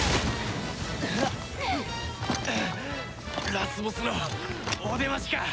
ラスボスのお出ましか！